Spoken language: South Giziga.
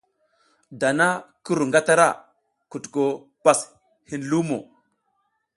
Dana ki ru ngatara, kutuko pas hin lumo.